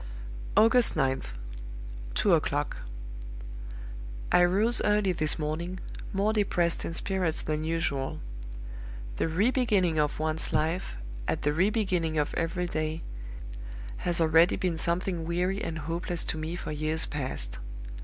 "August 9th. Two o'clock. I rose early this morning, more depressed in spirits than usual. The re beginning of one's life, at the re beginning of every day, has already been something weary and hopeless to me for years past.